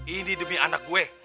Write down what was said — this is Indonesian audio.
ini demi anak gue